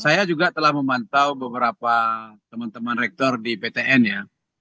saya juga telah memantau beberapa teman teman rektor di ptn ya